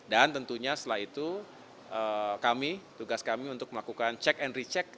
dan tentunya setelah itu tugas kami untuk melakukan check and recheck